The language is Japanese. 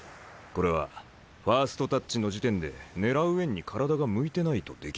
これはファーストタッチの時点で狙う円に体が向いてないとできない。